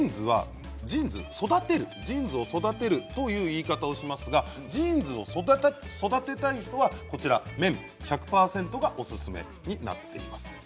よくジーンズを育てるという言い方をしますがジーンズを育てたい人には綿１００％がおすすめになっています。